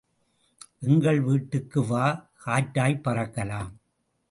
எங்கள் வீட்டுக்கு வா, காற்றாய்ப் பறக்கலாம்.